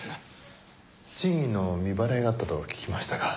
賃金の未払いがあったと聞きましたが。